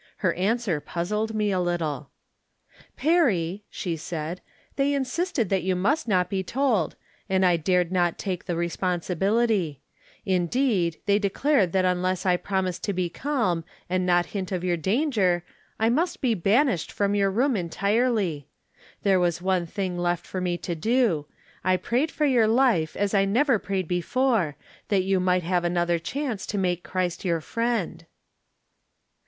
Her answer puzzled me a little. 68 From Different Standpoints. 69 " Perry," she said, " they insisted that you must not be told, and I dared not take the res ponsibility; indeed, they declared that unless I promised to be calm and not hint of your danger I must be banished from your room entirely. There was one thing left for me to do : I prayed for yotir life as I never prayed before, that you might have another chance to make Christ your Friend."